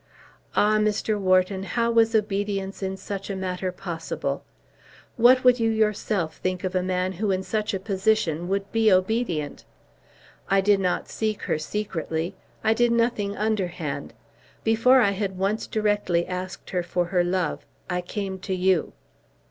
"Ah, Mr. Wharton, how was obedience in such a matter possible? What would you yourself think of a man who in such a position would be obedient? I did not seek her secretly. I did nothing underhand. Before I had once directly asked her for her love, I came to you."